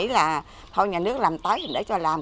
chứ là thôi nhà nước làm tới thì để cho làm